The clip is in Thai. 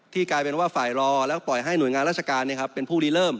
กลายเป็นว่าฝ่ายรอแล้วก็ปล่อยให้หน่วยงานราชการเป็นผู้รีเริ่ม